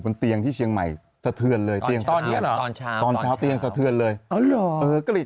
บนเตียงที่เชียงใหม่สะเทือนเลยตอนเช้าเตียงสะเทือนเลยก็เลย